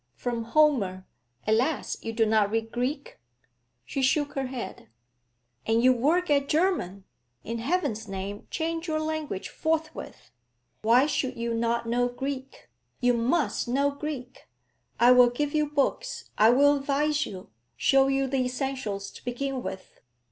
From Homer Alas! you do not read Greek?' She shook her head. 'And you work at German! In Heaven's name change your language forthwith! Why should you not know Greek? You must know Greek! I will give you books, I will advise you, show you the essentials to begin with.